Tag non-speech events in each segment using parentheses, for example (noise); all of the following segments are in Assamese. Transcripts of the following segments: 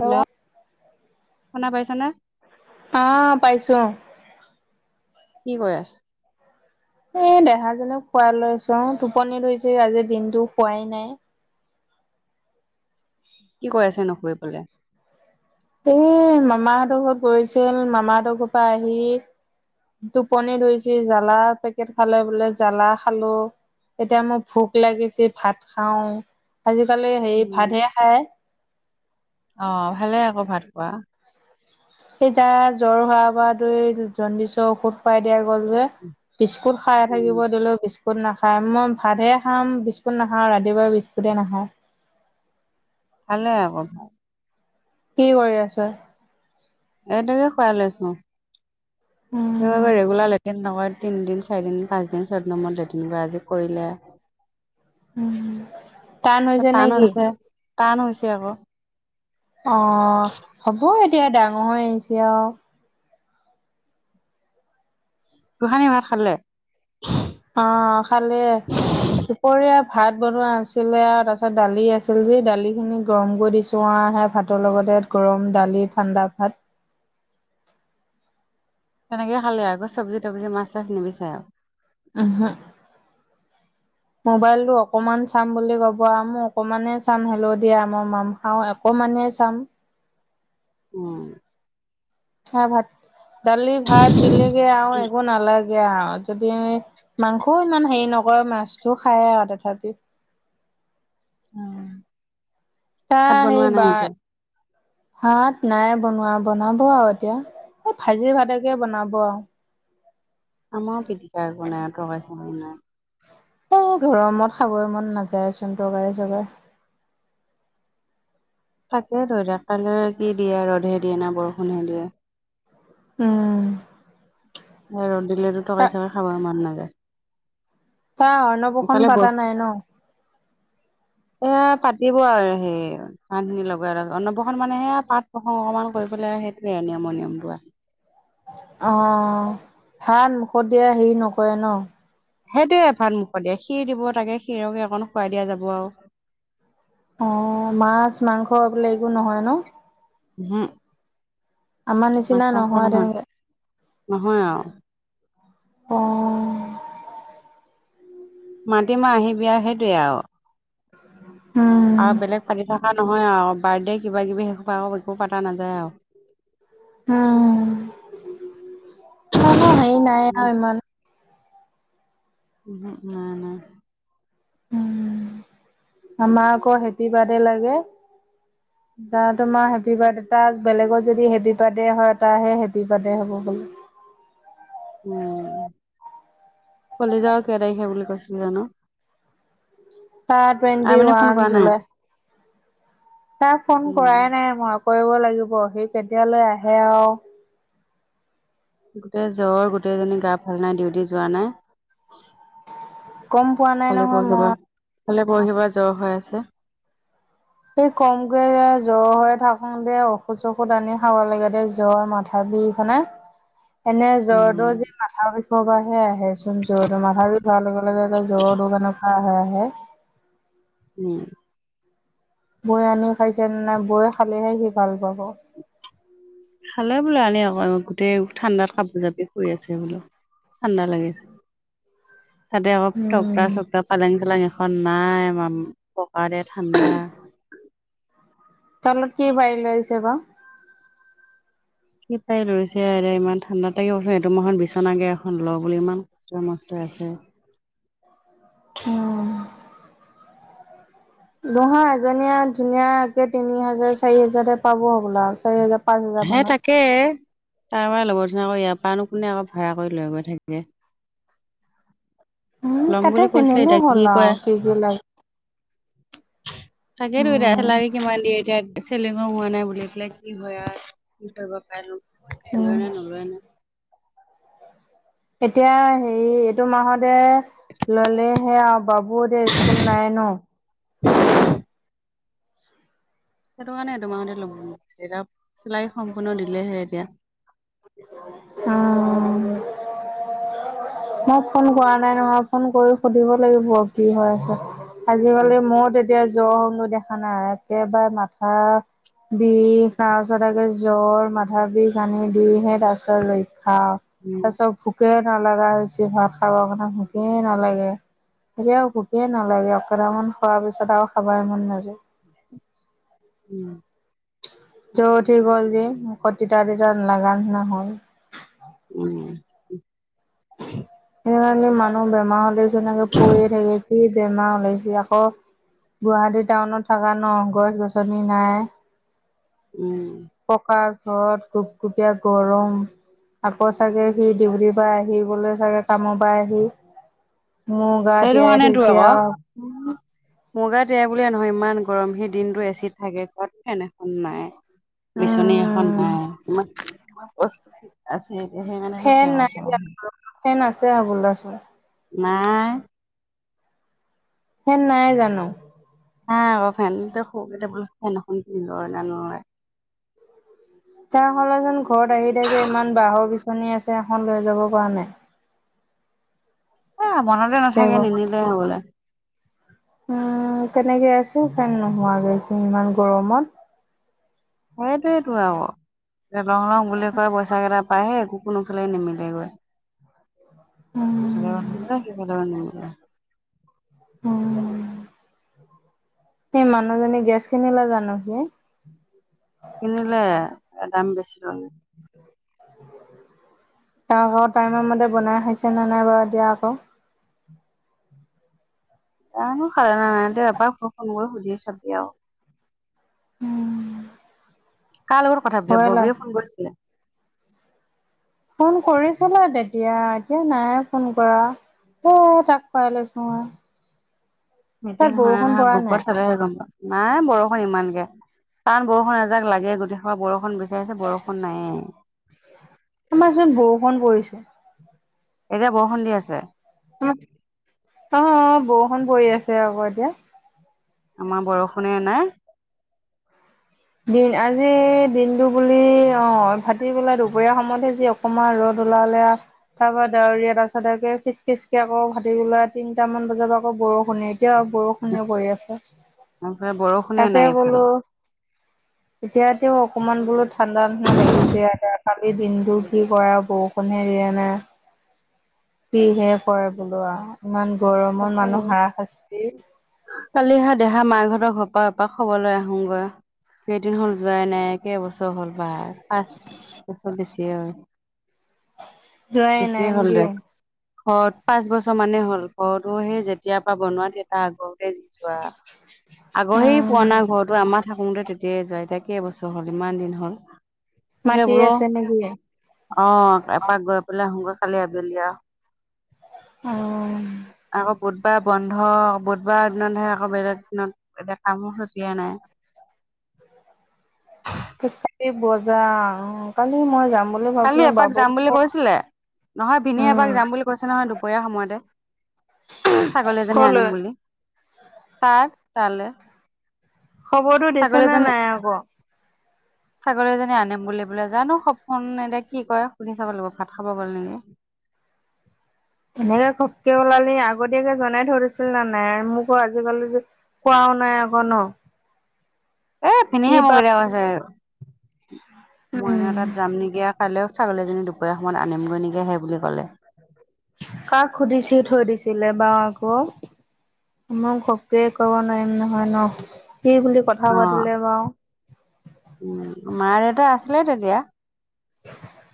হেল্ল'! শুনা পাইছা নে? অ', পাইছোঁ, অ'। কি কৰা? এ, দেহাজনক শুৱাই লৈছোঁ। অ', টোপনি ধৰিছে। আজি দিনটো শুৱাই নাই। কি কৰি আছে? নুশুই পেলাই? এ, মামাহঁতৰ ঘৰত গৈছিল। মামাহঁতৰ ঘৰৰ পৰা আহি টোপনি ধৰিছে, যি জ্বালা, জ্বালা, পেকেট খালে বোলে, জ্বালা খালোঁ এতিয়া মোৰ ভোক লাগিছে। ভাত খাওঁ। আজিকালি হেৰী, ভাতহে খাই। অ', ভালে। আকৌ ভাত খোৱা এই, তাৰ জ্বৰ হোৱাৰ পৰা ধৰি জণ্ডিছৰ ঔষধ খুৱাই দিয়া গ'ল যে বিস্কুট খাই থাকিব দিলেও, বিস্ক স্কুট নাখাই। মই ভাতহে খাম, বিস্কুট নাখাওঁ, ৰাতিপুৱা বিস্কুটেই নাখাই। ভালে আকৌ কি কৰি আছ? এনেকে খুৱাই লৈছোঁ উম। (unintelligible) ৰেগুলাৰ লেট্ৰিন নহয় তিনিদিন, চাৰিদিন, পাঁচদিন, ছয়দিনৰ মূৰত লেট্ৰিন কৰে। আজি কৰিলে টান তাৰ হৈছে নে টান কি? হৈছে, টান হৈছে আকৌ অ', হ'ব। এতিয়া ডাঙৰ হৈ আহিছে আৰু গোসাঁনী ভাত খালে? অ', খালে। দুপৰীয়া ভাত বনোৱা আছিলে আৰু তাৰ পিছত দালি আছিল যে, দালিখিনি গৰম কৰি দিছোঁ। তোমাৰহে ভাতৰ লগতে গৰম দালি, ঠাণ্ডা ভাত তেনেকে খালে আকৌ চবজি-তবজি, মাছ-চাছ নিবিচাৰে আৰু ওহো (inaudible) মোবাইলটো অকণমান চাম বুলি ক'ব আৰু মই অকণমানেই চাম। হেল্ল' দিয়া, মই মাম খাওঁ অকণমানে চাম উম। সেইয়া ভাত, দালি-ভাত দিলেগে আৰু একো নালাগ গে আৰু যদি আমি, মাংসও ইমান হেৰি নকৰে, মাছটো খায়, আৰু তথাপিও উম। তাৰ সেই (unintelligible) ভাত নাই বনোৱা। বনাব আৰু এতিয়া এ, ভাজি-ভাতকে বনাব আৰু আমাৰো পিটিকা একো নাই। তৰকাৰী-চৰকাৰী নাই। অ', গৰমত খাবয়েই মন নাযায় চোন, তৰকাৰী-চৰকাৰী তাকেইটো এতিয়া কাইলৈ কি দিয়ে? ৰ'দে দিয়ে নে বৰষুণে দিয়ে? উম। ৰ'দ দিলেতো তা তৰকাৰী-চৰকাৰী খাবয়েই মন নাযায়। তই অৰ্ণৱ এফালে বৰষু, এ, পাতিব আৰু সেই ভাত খিনি লগাই আৰু অন্নপ্ৰসান মানে এয়া পাত প্ৰসং অকমান কৰিব পেলাই সেইটোৱে নিয়মৰ নিয়মটো। অ' ভাত মুখত দিয়া হেৰি নকৰে ন? সেইটোৱে ভাত মুখত দিয়া, খিৰ দিব তাকে খিৰকে অকণ খুৱাই দিয়া যাব আৰু। অ' মাছ মাংস এইবিলাক একো নহয় ন? ওহু আমাৰ নিচিনা মাছ মাংস নহয়। তেনেকে নহয় আৰু অ'। মাতিম আৰু আহিবি সেইটোৱে আৰু। উম আৰু বেলেগ পাতি থকা নহয় আৰু বাৰ্ডে কিবা কিবি সেইসোপা একো পতা নাযায় আৰু। উম জানো হেৰি নাই উহু আৰু ইমান। ওহু নাই নাই। উম আমাৰ আকৌ হেপী বাৰ্ডে লাগে। (unintelligible) তা তোমাৰ হেপী বাৰ্ডে এটা বেলেগত যদি হেপী বাৰ্থডে হয়, তাৰহে হেপী বাৰ্থডে হ'ব বোলে। উম কলিজাৰ কেই তাৰিখে বুলি কৈছিলো জানো? তাৰ টুৱেণ্টি আইমণি ফোন ৱান কৰা নাই জুলাই। তাক ফোন উম কৰাই নাই মই কৰিব লাগিব, সি কেতিয়ালৈ আহে আৰু। গোটেই জ্বৰ গোটেইজনী গা ভাল নাই ডিউটি যোৱা নাই। গম পোৱা নাই কালি নহয় মই পৰহিপা কালি পৰহিপা জ্বৰ হৈ আছে। সেই কমকৈ জ্বৰ হৈ থাকোতে ঔষধ চষুধ আনি খাব লাগে, দে জ্বৰ মাথা বিষ হয়নে? (unintelligible) এনে উম জ্বৰটো যি মাথা বিষয়ৰ পৰাহে আহে চোন, জ্বৰটো মাথা বিষ হৈৱাৰ লগে লগে এ জ্বৰ কেনেকে ক'ৰ পৰা আহে আহে। উম। বৌয়ে আনি খাইছেনে নাই বৌয়ে খালেহে সি ভাল পাব। খালে বোলো আনি অকন, গোটেই ঠাণ্ডাত কাপোৰ জাপি শুই আছে বোলো। ঠাণ্ডা লাগিছে তাতে অলপ টক্টা উম। চক্টা পালেং চালাং এখন নাই আ পকা টে ঠাণ্ডা (unintelligible) তাৰ তলত কি পাৰ লৈছে বা? কি পাৰি লৈছে এতিয়া ইমান ঠাণ্ডাত থাকিব চোন সেইটো মাহত বিচনাকে এখন ল বুলি ইমান ৱা মাষ্টৰ আছে। উ নহয় এজনীয়া ধুনীয়া কে তিনি হোজাৰ চাৰি হাজাৰতে পাব হ'বল, আৰু চাৰি হাজাৰ পাঁচ হাজাৰ হে মানত তাকে তাৰ পৰা লবৰ দিবা, আকৌ ইয়াৰ পৰানো কোনে আকৌ ভাড়া কৰি লৈ গৈ থাকে। উম ল'ম তাতে বুলি কৈছিলে কিনিলে এতিয়া কি হ'ল কৰে? আও কি কি লাগে তাকেতো এতিয়া চেলাৰী কিমান দিয়ে এতিয়া। চলিঙও হোৱা নাই বুলি পেলাই কি হয় আৰু, কি কৰিব পাৰে নো এ লয়েনে নলৱয়েনে। এতিয়া হেৰি এইটো মা'হতে ল'লে সেয়া বাবু এতিয়া স্কুল নাই ন? (unintelligible) সেইটো কাৰণে এইটোমা'হতে ল'ম এতিয়া চেলাৰী সম্পূৰ্ণ দিলেহে এতিয়া। অ'। মই ফোন কৰা নাই নহয়, ফোন কৰি সুধিব লাগিব আৰু কি হৈ আছে। উম আজিকালি মই এতিয়া জ্বৰ হ'লো দেখা নাই একেবাৰে মাথা বিষ তাৰপিছত আকৌ জ্বৰ মাথা বিষ আনি দিহে তাৰ পিছত ৰক্ষা। তাৰপিছত ভোকে নালগা হৈছে, ভাত খাবৰ কাৰণে ভোকেই নালাগে। এতিয়া আৰু ভোকে নালাগে একে কেইটামান খোৱাৰ পিছত আৰু খাবই মন নাযায়। উম। জ্বৰ উঠি গ'ল যে তিতা তিতা লগা নিচিনা হ'ল। উম। সেইকাৰণে মানুহ বেমাৰ হলে যে এনেকে পৰিয়ে থাকে কি বেমাৰ ওলাইছে য়া অক গুৱাহাটী টাউনত থকা ন গছ গছনি নাই। উম। প'কা ঘৰত গুপগুপীয়া গৰম। আকৌ চাগে সি ডিউটিৰ পৰা আহি ব'লে চাগে কামৰ পৰা আহি মোৰ গা তিয়াই ধুইছে আও। উম মু গা তিয়াই বুলিয়ে নহয় ইমান গৰম সি দিনতটো এচিত থাকে ঘৰত ফেন এখন নাই। বিচনী এখন উম নাই। আছে এতিয়া সেই কাৰনেটো ফেন তেয়া নাই চৰম। জানো ফেন আছে বোলে চোন। নাই। ফেন নাই জানো। নাই আকৌ ফেন তেওঁ খৰু তেবুল ফেন এখন কিনি ল'ব নোৱাৰে। তাৰ সলনি যেন ঘৰত আহি থাকে ইমান বাঁহৰ বিচনী আছে এখন লৈ যাব পৰা নাই। এ মনতে নাথাকে বেগৰ নিনিলে হ'বলা। উম, কেনেকে আছেও ফেন নোহোৱকে সি ইমান গৰমত। সেইটোৱেতো আও লং লং বুলি কয় পইচা কেইটা পায়হে একো কোনোফালে নিমিলেগৈ। ইফালেও উম নিমিলে সিফালেও নিমিলে। উ। সেই মানুহজনী গেছ কিনিলে জানো সি। কিনিলে দাম বেছি ললে। তাৰ আকৌ টাইমৰ মতে বনাই খাইছেনে নাই বাৰু এতিয়া আকৌ। জানো খালেনে নাই তেওঁ এবাৰ ফোন কৰি সুধি চাবি আৰু। উম। কাৰ লগত কথ পাতিছ ববিয়ে ফোন কৰিছিলে। ফোন কৰিছিলে তেতিয়া এতিয়া নাই ফোন কৰা। এ তাক শুৱাই লৈছো ৰহ। মিটিং হয়নে নহয় পৰা নাই গ্ৰুপৰত চালেহে গম পায়। নাই বৰষুণ ইমানকে তান বৰষুণ এজাক লাগে গোটেই বৰষুণ বিছাৰিছে বৰষুণ নাইয়ে। আমাৰ চোন বৰষুণ পৰিছে। এতিয়া বৰষুন দি আছে। অ' বৰষুণ পৰি আছে আকৌ এতিয়া। আমাৰ বৰষুণে নাই। দিন আজি দিনটো বুলি অ' ভাটি বোলা দুপৰীয়া সময়তহে যি অকণমান ৰ'দ ওলালে আ তাৰ পৰা দাউৰিয়া তাৰ পাছত খিচ খিচকে আকৌ ভাতিবেলা তিনিটা মান বজাত আকৌ বৰষুণে এতিয়া বৰষুন। কিনো কৰি আছ এইফালে বৰষুণে তাকে নাই এইফালে বোলো এতিয়া তেও অকনমান বোলো ঠাণ্ডা ঠাণ্ডা লাগিছে আৰু কালিৰ দিনটো কি পৰা বৰষুণ হে দিয়া নাই। কিহে কৰে বোলো আৰু ইমান গৰমত মানুহ তাকে হাৰা শাস্তি কালি হেয়া দেহা মাক হতৰ ঘৰৰ পৰা এপাক খবৰলৈ আহোগৈ। কেইদিন হ'ল যোৱাই নাই কেবছৰ হ'ল বাৰ পাঁচ। পাঁচ বছৰ বেছি হ'ল। যোৱাই নাই বেছিয়ে হ'ল নেকি দে অ' পাঁচ বছৰ মানেই হ'ল। ঘৰৰতো সেই যেতিয়াৰ পৰা বনোৱা তোৰ আগৰতে যি যোৱা আগৰ সেই উম পুৰণা ঘৰতো। তো আমাৰ থাকোঁতে তেতিয়াই যোৱা এতিয়া কেইবছৰ হ'ল ইমান দিন হ'ল। তাকে মাতি বোলো আছে নেকি অ' এপাক গৈ পেলাই আহোগৈ কালি আবেলি আৰু। অ'। আকৌ বুধবাৰ বন্ধ, বুধবাৰ দিনতহে আকৌ বেলেগ দিনত এতিয়া কামো ক্ষতি হয় না। ঠিক থাকে বজা অ' কালি মই যাম। বুলি কালি ভাবিছো এপাক যাম বাবুক বুলি কৈছিলে, নহয় ভিনি এপাক উম যাম বুলি কৈছে নহয় দুপৰীয়া সময়তে। ছাগলী এজনী কলৈ আনিম বুলি। তাক তালে খবৰটো দিছে নে নাই আকৌ? (unintelligible) ছাগলীজনী আনিম বুলি বোলে, জানো সপোন এতিয়া কি কয় সুধি চাব লাগিব। ভাত খাব গ'ল নেকি। এনেকে ঘপকে ওলালে আগতীয়াকে জনাই থৈ দিছিল নে নাই? মোকো আজিকালি যে কোৱাও নাই আকৌ ন'? এই কি ভিনিহে মোক বা এতিয়া কৈছে। মইনাৰ উম তাত যাম নেকি। কাইলৈ। ছাগলীজনী দুপৰীয়া সময়ত আনিমগৈ নেকি হেই বুলি ক'লে। কাক সুধিছে থৈ দিছিলে বা আকৌ। মই ঘপকে ক'ব নোৱাৰিম নহয় ন'? কি বুলি কথা অ পাতিলে বাৰু। উম, মা, দেউতা আছিলে তেতিয়া।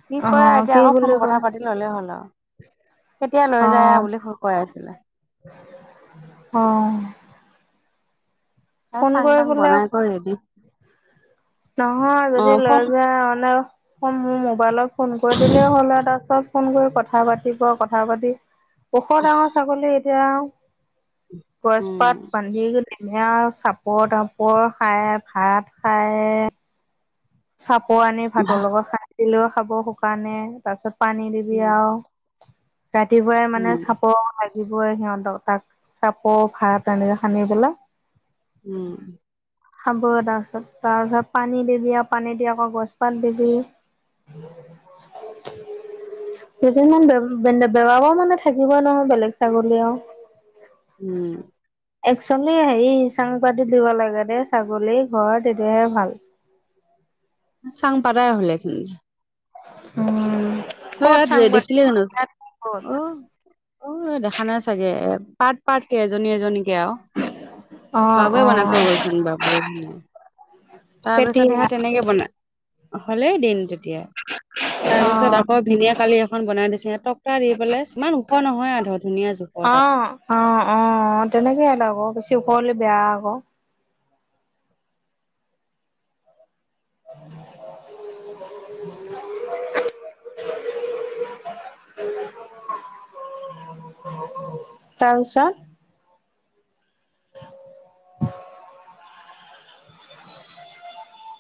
কি অ কয় এতিয়া কি আকৌ ফোন বুলি কথা ক'ল পাতি ল'লে হ'ল আৰু। কেতিয়া লৈ অ যায় বুলি কৈ আছিলে। অ'। এ, ফোন চাং তাং কৰিবলৈ বনাই থৈ ৰি ৰেডি। নহয় অ যদি লৈ ফোন যোৱা মানে, মোৰ মোবাইলত ফোন কৰি দিলেই হ'ল তাৰপিছত ফোন কৰি কথা পাতিব কথা পাতি, ওখ ডাঙৰ ছাগলী এতিয়া উম গছপাত বান্ধি গে তেনে চাপৰ তাপৰ খায়, ভাত খাই। এ চাপৰ আনি ভাতৰ লগত খানি দিলেও খাব শুকানে, তাৰপিছত পানী দিবি উম আৰু। ৰাতিপুৱাই মানে উম, চাপৰ উ, লাগিব। দিবই সিহঁতক, তাক চাপৰ ভাত এনেক সানি পেলাই। উম। খাব তাৰপিছত তাৰপিছত পানী দিবি। পানী দি আকৌ গছপাত দিবি। (unintelligible) কেইদিমান বেৱ বেন-বেৱাব মানে থাকিবই নহয় বেলেগ ছাগলী আৰু। উম। একচোৱেলি হেৰি চাং পাতি দিব লাগে দে, ছাগলী ঘৰ তেতিয়াহে ভাল। চাং পাতাই হ'লেচুন। উম। হয় ক'ত চাং ই পাতি দেখিলে জানো? অ', অ' দেখা নাই চাগে। পাৰ্ট পাৰ্টকে, এজনী এজনীকে আৰু। অ বাবুৱে অ বানই থৈ গ'ল, বাবুয়ে ধুনীয়া। তাৰপিছত কেতিয়া সেয়া তেনেকে বনায়। হ'লেই দিন তেতিয়া, তাৰপাছত অ আকৌ ভিনিয়ে কালি এখন বনাই দিছে সিহঁতক। দি পেলাই। ইমান ওখ নহয় ধৰ ধুনীয়া জোখত আৰু। অ', অ', অ' তেনেকে আৰু। আকৌ বেছি ওখ হ'লে বেয়া আকৌ। (unintelligible) আ' তাৰপিছত? (unintelligible)